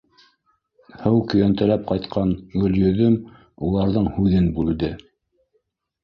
Һыу көйәнтәләп ҡайтҡан Гөлйөҙөм уларҙың һүҙен бүлде.